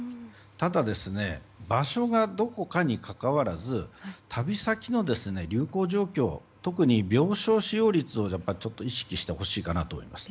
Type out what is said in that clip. ただ、場所がどこかにかかわらず旅先の流行状況特に病床使用率を意識してほしいかなと思います。